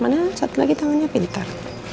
karena satu lagi tangannya pintar